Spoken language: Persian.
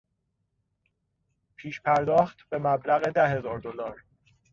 پیش پرداخت به مبلغ ده هزار دلار